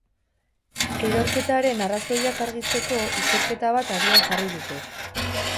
Erorketaren arrazoiak argitzeko ikerketa bat abian jarri dute.